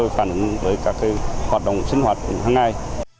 giáo dục về các kỹ năng để phản ứng với các hoạt động sinh hoạt hôm nay